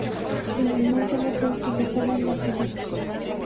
Finalmente no fue utilizada en la película.